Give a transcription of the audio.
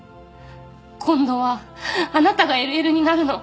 今度はあなたが ＬＬ になるの